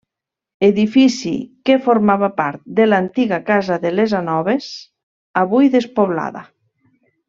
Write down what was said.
Edifici que formava part de l'antiga casa de les Anoves, avui despoblada.